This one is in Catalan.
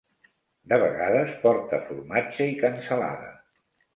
De vegades porta formatge i cansalada.